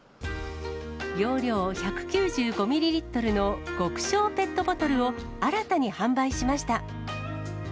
容量１９５ミリリットルの極小ペットボトルを新たに販売しました。